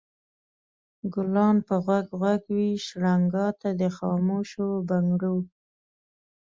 ګلان به غوږ غوږ وي شرنګا ته د خاموشو بنګړو